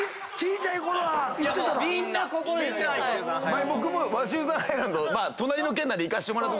前僕も鷲羽山ハイランド隣の県なんで行かせてもらった。